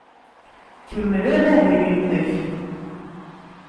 Kemmel amahil-nnek.